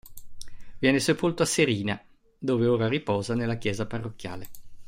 Viene sepolto a Serina dove ora riposa nella chiesa parrocchiale.